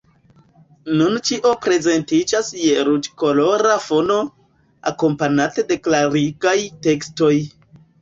Nun ĉio prezentiĝas je ruĝkolora fono, akompanate de klarigaj tekstoj.